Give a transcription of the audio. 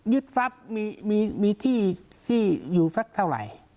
ยึดฟับมีที่ที่อยู่ฟับเท่าไหร่